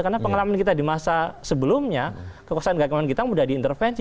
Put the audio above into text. karena pengalaman kita di masa sebelumnya kekuasaan kehakiman kita sudah diintervensi